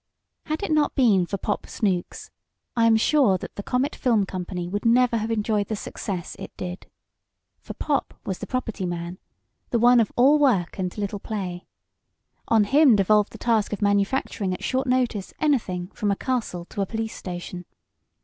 Had it not been for "Pop" Snooks, I am sure the Comet Film Company would never have enjoyed the success it did. For Pop was the property man the one of all work and little play. On him devolved the task of manufacturing at short notice anything from a castle to a police station.